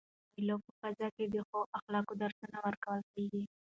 د مېلو په فضا کښي د ښو اخلاقو درسونه ورکول کیږي.